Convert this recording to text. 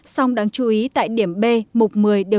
song đáng chú ý tại điểm b mục một mươi